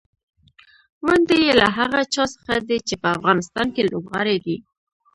ونډې یې له هغه چا څخه دي چې په افغانستان کې لوبغاړي دي.